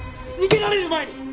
逃げられる前に